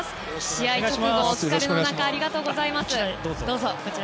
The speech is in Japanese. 試合直後、お疲れの中ありがとうございます。